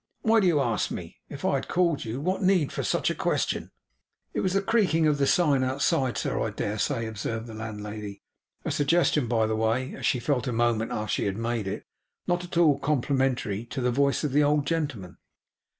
'Why do you ask me? If I had called you, what need for such a question?' 'It was the creaking of the sign outside, sir, I dare say,' observed the landlady; a suggestion by the way (as she felt a moment after she had made it), not at all complimentary to the voice of the old gentleman.